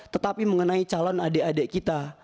tetapi mengenai calon adik adik kita